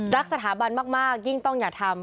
สถาบันมากยิ่งต้องอย่าทำ